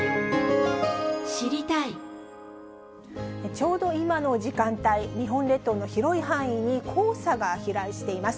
ちょうど今の時間帯、日本列島の広い範囲に黄砂が飛来しています。